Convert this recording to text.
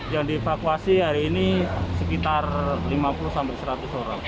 yang dievakuasi hari ini sekitar lima puluh seratus orang